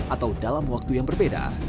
atau dalam waktu yang berbeda